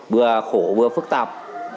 bừa khổ bừa phức tạp